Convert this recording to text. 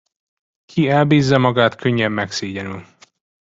Ki elbízza magát, könnyen megszégyenül.